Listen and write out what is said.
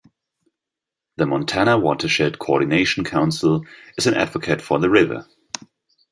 The Montana Watershed Coordination Council is an advocate for the river.